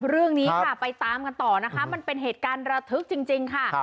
เรื่องนี้ค่ะไปตามกันต่อนะคะมันเป็นเหตุการณ์ระทึกจริงค่ะ